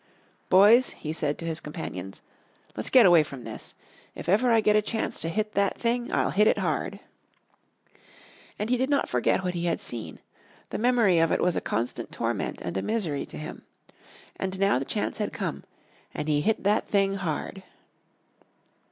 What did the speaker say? "Boys," he said, to his companions, "let's get away from this. If ever I get a chance to hit that thing, I'll hit it hard." And he did not forget what he had seen; the memory of it was a constant torment and a misery to him. And now the chance had come, and he hit "that thing" hard.